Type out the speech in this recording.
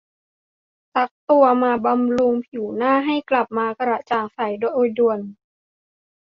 สักตัวมาบำรุงผิวหน้าให้กลับมากระจ่างใสโดยด่วน